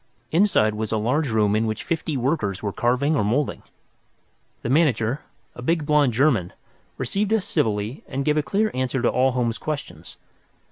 Inside was a large room in which fifty workers were carving or moulding. The manager, a big blond German, received us civilly and gave a clear answer to all Holmes's questions.